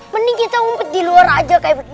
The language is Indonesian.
mending kita ngumpet di luar aja kayak begini